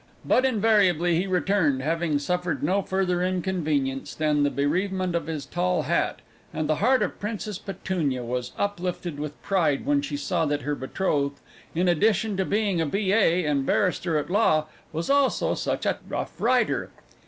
But invariably he returned, having suffered no further inconvenience than the bereavement of his tall hat, and the heart of Princess Petunia was uplifted with pride when she saw that her betrothed, in addition to being a B.A. and barrister at law, was also such a rough rider.